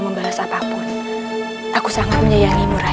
membalas apapun aku sangat menyayangi murai